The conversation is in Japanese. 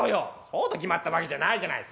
「そうと決まったわけじゃないじゃない」。